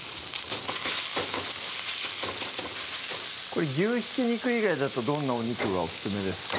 これ牛ひき肉以外だとどんなお肉がオススメですか？